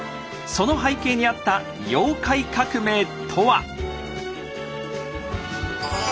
その背景にあった「妖怪革命」とは！